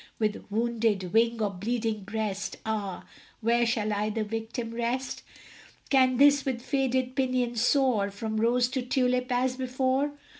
With wounded wing or bleeding breast, Ah, where shall either victim rest? Can this with faded pinion soar From rose to tulip as before?